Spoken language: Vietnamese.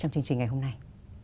trong chương trình ngày hôm nay